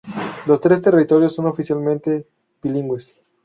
Los tres territorios son oficialmente bilingües.